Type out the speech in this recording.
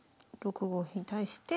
６五歩に対して。